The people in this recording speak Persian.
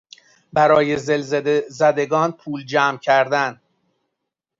برای زلزله زدگان پول جمع کردن